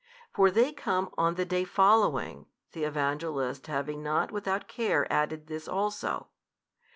For they come on the day following, the Evangelist having not without care added this also.